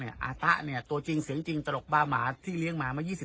เนี้ยอาตะเนี้ยตัวจริงเสียงจริงตลกบ้าหมาที่เลี้ยงหมามายี่สิบ